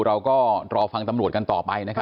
เราก็รอฟังตำรวจกันต่อไปนะครับ